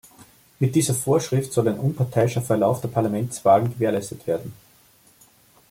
Mit dieser Vorschrift soll ein unparteiischer Verlauf der Parlamentswahlen gewährleistet werden.